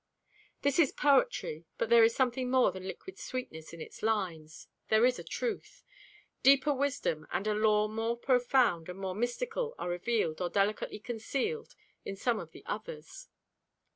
This is poetry, but there is something more than liquid sweetness in its lines. There is a truth. Deeper wisdom and a lore more profound and more mystical are revealed or delicately concealed in some of the others.